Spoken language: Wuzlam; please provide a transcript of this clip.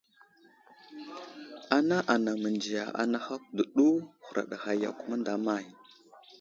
Ana anaŋ məndiya anahakw dəɗu, huraɗ ghay yakw mənday əmay !